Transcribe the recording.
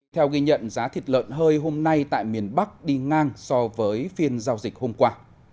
theo ghi nhận giá thịt lợn hơi hôm nay tại miền bắc đi ngang so với phiên giao dịch hôm qua